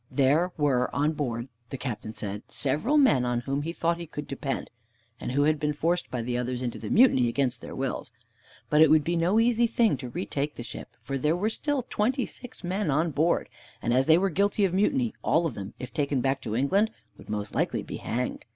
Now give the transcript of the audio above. There were on board, the Captain said, several men on whom he thought he could depend, and who had been forced by the others into the mutiny against their wills. But it would be no easy thing to retake the ship, for there were still twenty six men on board, and as they were guilty of mutiny, all of them, if taken back to England, would most likely be hanged.